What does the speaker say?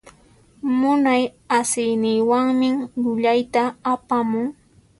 Munay asiyninwanmi llullayta apamun.